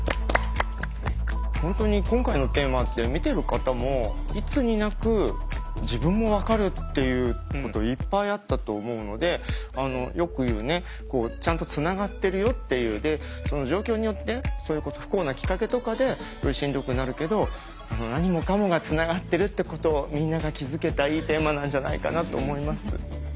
本当に今回のテーマって見てる方もいつになく自分も分かるっていうこといっぱいあったと思うのでよく言うねちゃんとつながってるよっていうその状況によってそれこそ不幸なきっかけとかでしんどくなるけど何もかもがつながってるってことをみんなが気づけたいいテーマなんじゃないかなと思います。